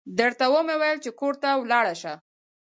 درته و مې ويل چې کور ته ولاړه شه.